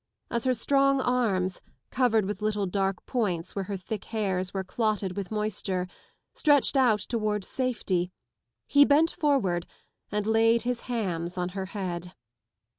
As her strong arms, covered with little dark points where her thick hairs were clotted with moisture, stretched out towards safety he bent forward and laid his hands on her head.